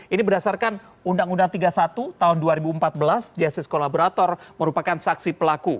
ini berdasarkan undang undang tiga puluh satu tahun dua ribu empat belas justice kolaborator merupakan saksi pelaku